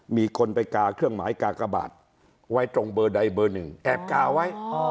มีคนไปกาเครื่องหมายกากบาทไว้ตรงเบอร์ใดเบอร์หนึ่งแอบกาไว้